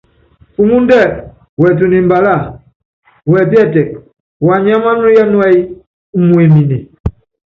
Pumúndɛ́ wɛɛtunu mbaláa, wɛpíɛ́tɛk, waniáma á nuya núɛ́yí umuemine.